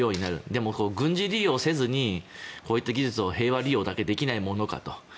でも、軍事利用せずにこういった技術を平和利用だけできないものかと。